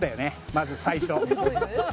まず最初。